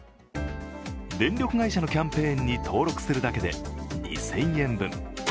電力会社のキャンペーンに登録するだけで２０００円分。